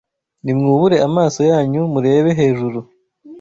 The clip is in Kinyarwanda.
Nimwubure amaso yanyu murebe hejuru